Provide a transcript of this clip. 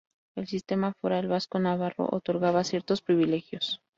El sistema foral vasco-navarro otorgaba ciertos privilegios.